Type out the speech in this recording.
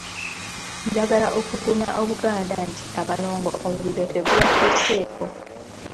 Njagala okugumya Obuganda nti Abalongo omuliro tegubatuseeko.